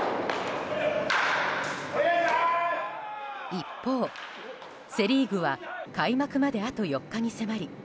一方、セ・リーグは開幕まであと４日に迫り